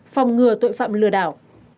phòng ngừa tội phạm lừa đảo